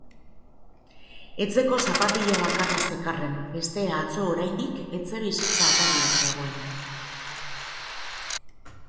Etxeko zapatila bakarra zekarren, bestea atzo oraindik etxebizitza atarian zegoen.